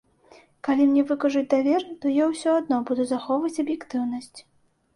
Калі мне выкажуць давер, то я ўсё адно буду захоўваць аб'ектыўнасць.